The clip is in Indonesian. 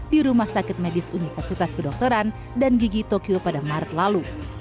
di rumah sakit medis universitas kedokteran dan gigi tokyo pada maret lalu